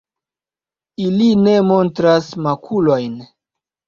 Ili ne montras makulojn.